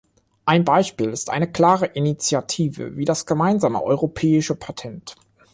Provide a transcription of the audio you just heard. Ein Beispiel ist eine klare Initiative wie das gemeinsame europäische Patent.